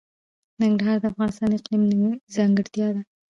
ننګرهار د افغانستان د اقلیم ځانګړتیا ده.